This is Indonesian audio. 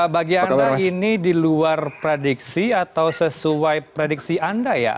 bagi anda ini di luar prediksi atau sesuai prediksi anda ya